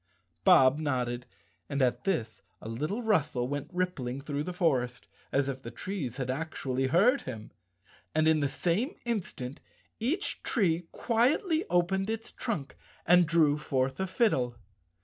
Bob nodded, and at this a little rustle went rippling through the forest as if the trees had actually heard him, and in the same instant each tree quietly opened its trunk and drew forth a fiddle.